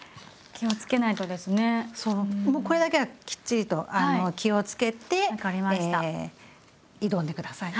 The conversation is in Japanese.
もうこれだけはきっちりと気を付けて挑んで下さい。